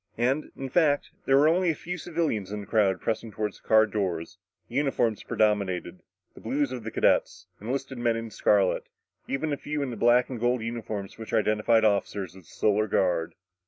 And, in fact, there were only a few civilians in the crowd pressing toward the car doors. Uniforms predominated the blue of the cadets, enlisted men in scarlet, even a few in the black and gold uniforms which identified the officers of the Solar Guard.